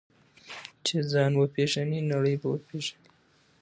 چې ځان وپېژنې، نړۍ به وپېژنې.